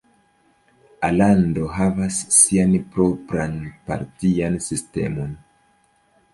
Alando havas sian propran partian sistemon.